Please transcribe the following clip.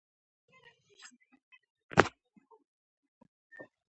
• مینه د صبر یوه لویه نښه ده.